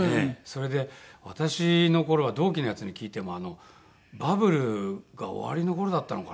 それで私の頃は同期のヤツに聞いてもバブルが終わりの頃だったのかな。